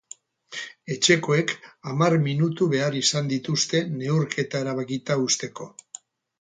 Etxekoek hamar minutu behar izan dituzte neurketa erabakita uzteko.